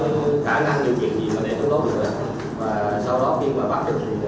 và sau đó khi mà bắt đối tượng làm cái tục bằng đầu trên tấm đường để đảm giữ đại tướng